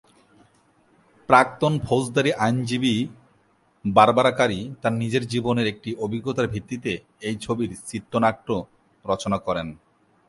প্রাক্তন ফৌজদারি আইনজীবী বারবারা কারি তাঁর নিজের জীবনের একটি অভিজ্ঞতার ভিত্তিতে এই ছবির চিত্রনাট্য রচনা করেন।